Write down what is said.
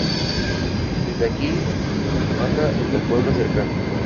Desde aquí, baja hasta el pueblo cercano.